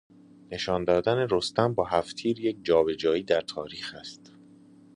نشان دادن رستم با هفت تیر یک جابجایی در تاریخ است.